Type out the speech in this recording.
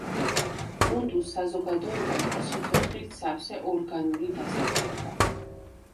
კუნდუს საზოგადოება იყო სიცოცხლით სავსე ორგანული დასახლება.